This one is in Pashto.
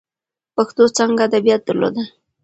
پښتو څانګه ادبیات درلودل.